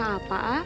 usaha apa a'ah